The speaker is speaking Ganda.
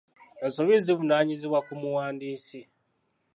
Ensobi zivunaanyizibwa ku muwandiisi.